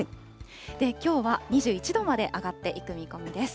きょうは２１度まで上がっていく見込みです。